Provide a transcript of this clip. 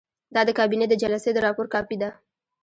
دا د کابینې د جلسې د راپور کاپي ده.